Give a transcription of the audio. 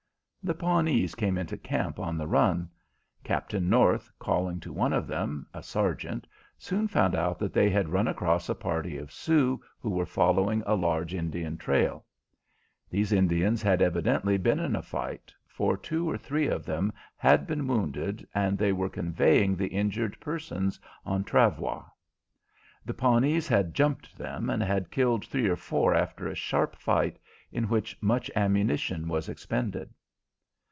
The Pawnees came into camp on the run. Captain North, calling to one of them, a sergeant, soon found out that they had run across a party of Sioux who were following a large Indian trail. These Indians had evidently been in a fight, for two or three of them had been wounded, and they were conveying the injured persons on travoix. The Pawnees had "jumped" them, and had killed three or four after a sharp fight, in which much ammunition was expended.